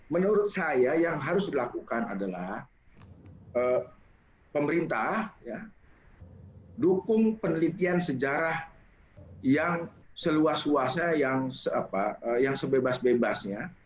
menurut saya yang harus dilakukan adalah pemerintah dukung penelitian sejarah yang seluas luasnya yang sebebas bebasnya